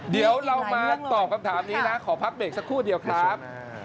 เดี๋ยวเรามาตอบคำถามนี้นะขอพักเบรกสักครู่เดียวครับ